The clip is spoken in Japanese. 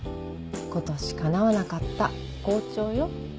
今年叶わなかった校長よ。